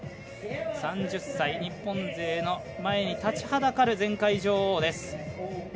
３０歳、日本勢の前に立ちはだかる前回女王です。